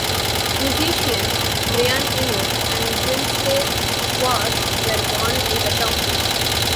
Musicians Brian Eno and Brinsley Schwarz were born in the town.